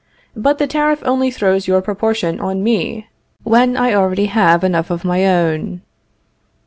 But the tariff only throws your proportion on me, when I already have enough of my own.